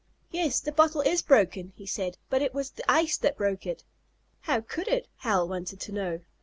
"Yes, the bottle is broken," he said, "but it was the ice that broke it." "How could it?" Hal wanted to know.